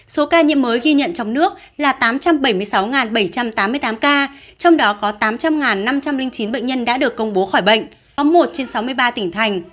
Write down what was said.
số ca nhiễm mới ghi nhận trong nước là tám trăm bảy mươi sáu bảy trăm tám mươi tám ca trong đó có tám trăm linh năm trăm linh chín bệnh nhân đã được công bố khỏi bệnh có một trên sáu mươi ba tỉnh thành